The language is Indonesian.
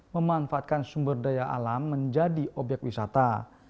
memanfaatkan sumber daya alam menjadi obyek wisata